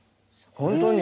本当に。